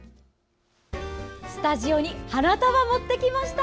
スタジオに花束持ってきました！